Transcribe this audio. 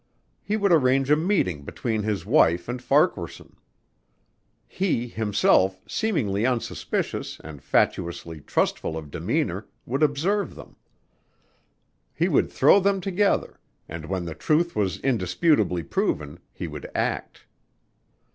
He would arrange a meeting between his wife and Farquaharson. He, himself, seemingly unsuspicious and fatuously trustful of demeanor, would observe them. He would throw them together and when the truth was indisputably proven he would act.